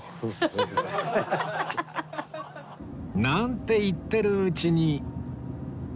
なんて言ってるうちに